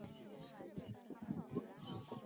高获师事司徒欧阳歙。